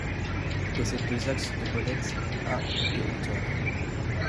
Il possède deux axes de molettes à de hauteur.